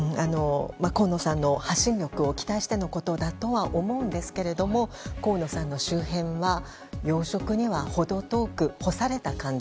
河野さんの発信力を期待してのことだと思うんですけど河野さんの周辺は要職には程遠く、干された感じ。